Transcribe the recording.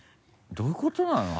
どういうことなの？